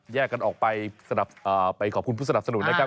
กันออกไปขอบคุณผู้สนับสนุนนะครับ